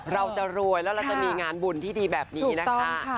เราจะรวยแล้วเราจะมีงานบุญที่ดีแบบนี้นะคะ